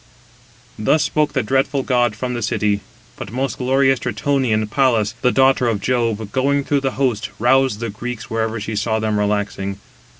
Thus spoke the dreadful god from the city. But most glorious Tritonian Pallas, the daughter of Jove, going through the host, roused the Greeks wherever she saw them relaxing.